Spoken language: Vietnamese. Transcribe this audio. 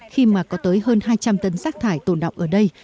khi mà có tới hơn hai trăm linh tấn rác thải tồn đọng ở đây